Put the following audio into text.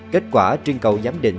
kết quả trên cầu giám định